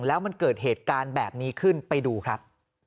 แล้วมันเกิดเหตุการณ์แบบนี้ขึ้นไปดูครับ